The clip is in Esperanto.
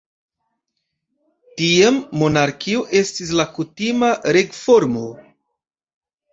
Tiam monarkio estis la kutima regformo.